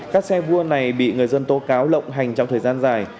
các xe vua này bị người dân tố cáo lộng hành trong thời gian dài